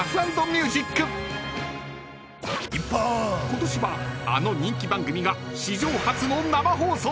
［今年はあの人気番組が史上初の生放送］